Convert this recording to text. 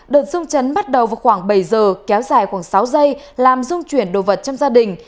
đợt rung chấn bắt đầu vào khoảng bảy giờ kéo dài khoảng sáu giây làm dung chuyển đồ vật trong gia đình